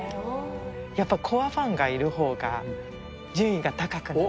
やっぱりコアファンがいる層が順位が高くなる。